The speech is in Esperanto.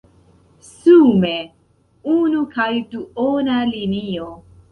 Sume: unu kaj duona linio.